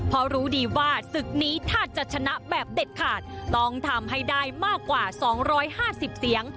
เพราะรู้ดีว่าศึกนี้ถ้าจะชนะแบบเด็ดขาดต้องทำให้ได้มากกว่า๒๕๐เสียง